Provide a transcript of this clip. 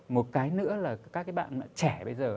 một cái nữa là các cái bạn trẻ bây giờ